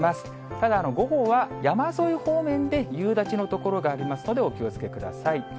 ただ、午後は山沿い方面で夕立の所がありますので、お気をつけください。